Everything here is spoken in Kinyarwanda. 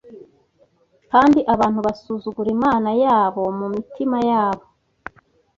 Kandi abantu basuzugura Imana yabo mumitima yabo